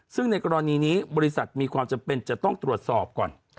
ซึ่งในกรณีนี้บริษัทมีความจำเป็นจะต้องตรวจสอบก่อน